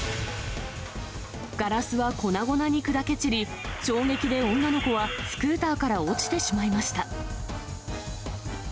ガラスは粉々に砕け散り、衝撃で女の子はスクーターから落ちてしまいました。